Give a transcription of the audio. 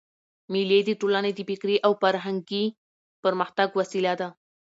مېلې د ټولني د فکري او فرهنګي پرمختګ وسیله ده.